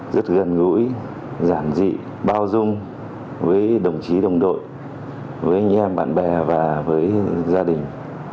rất gần gũi giản dị bao dung với đồng chí đồng đội với anh em bạn bè và với gia đình